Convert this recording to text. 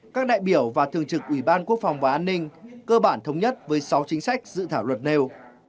các đại biểu và thường trực ủy ban quốc phòng và an ninh cơ bản thống nhất với sáu chính sách dự thảo luật nêu